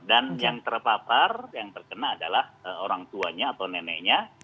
dan yang terpapar yang terkena adalah orang tuanya atau neneknya